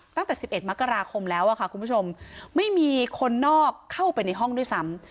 ตั้งแต่๑๑มกราคมแล้วค่ะคุณผู้ชมไม่มีคนนอกเข้าไปในห้องด้วยซ้ำ